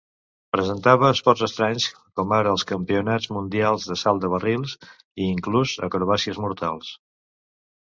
Presentava esports estranys com ara els campionats mundials de salt de barrils, i inclús acrobàcies mortals.